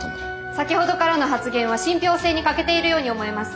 先ほどからの発言は信ぴょう性に欠けているように思えます。